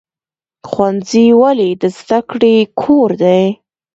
ښوونځی ولې د زده کړې کور دی؟